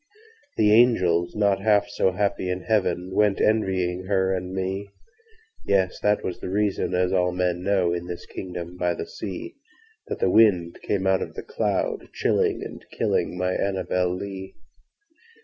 The angels, not half so happy in heaven, Went envying her and me—Yes!—that was the reason (as all men know, In this kingdom by the sea)That the wind came out of the cloud by night, Chilling and killing my ANNABEL LEE.